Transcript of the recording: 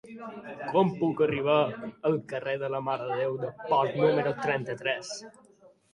Com puc arribar al carrer de la Mare de Déu de Port número trenta-tres?